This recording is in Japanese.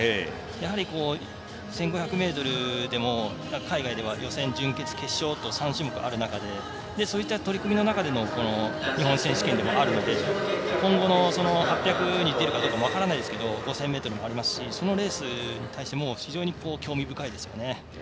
やはり、１５００ｍでも海外では予選、準決、決勝と３種目ある中でそういった取り組みの中でもこの日本選手権でもあるので今後の８００ｍにでるかどうかも分からないですけど５０００ｍもありますしそのレースも非常に興味深いですよね。